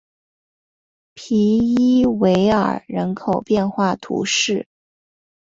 皮伊韦尔人口变化图示